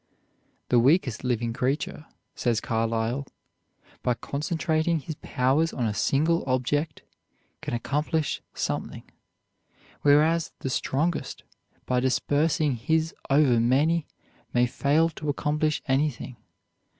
"The weakest living creature," says Carlyle, "by concentrating his powers on a single object, can accomplish something; whereas the strongest, by dispersing his over many, may fail to accomplish anything.